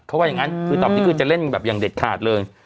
เขาว่ายังงั้นคือตอบที่คือจะเล่นแบบยังเด็ดขาดเลย